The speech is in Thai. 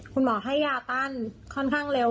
คุณหมอให้ยาตั้นค่อนข้างเร็ว